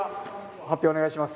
発表をお願いします。